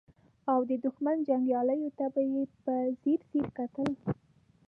او د دښمن جنګياليو ته به يې په ځير ځير کتل.